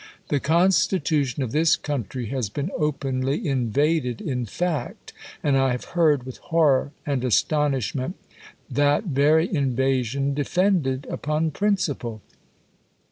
The constitution of this country has been openly in vaded in fact ; and J have heard, with horror and aston ishment, that very invasion defended upon principle.